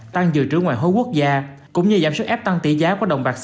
tăng dự trữ ngoại hối quốc gia cũng như giảm sức ép tăng tỷ giá của đồng bạc